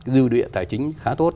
dư địa tài chính khá tốt